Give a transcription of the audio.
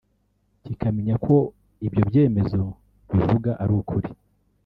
kikamenya ko ibyo ibyemezo bivuga ari ukuri